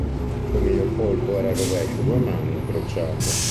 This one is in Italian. Il suo miglior colpo era il rovescio a due mani incrociato.